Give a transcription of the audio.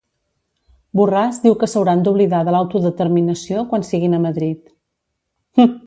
Borràs diu que s'hauran d'oblidar de l'autodeterminació quan siguin a Madrid